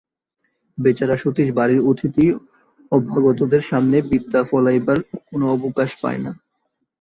বেচারা সতীশ বাড়ির অতিথি-অভ্যাগতদের সামনে বিদ্যা ফলাইবার কোনো অবকাশ পায় না।